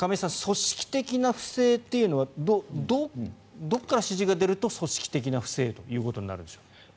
組織的な不正というのはどこから指示が出ると組織的な不正ということになるんでしょうか？